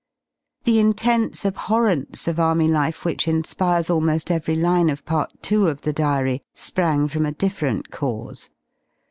The intense abhorrence of Army life which inspires almoSl every line of Part II. of the Diary sprang from a different cause.